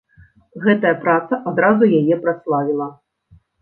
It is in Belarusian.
Гэтая праца адразу яе праславіла.